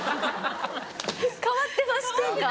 変わってませんか？